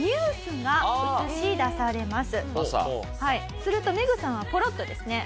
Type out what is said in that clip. するとメグさんはポロッとですね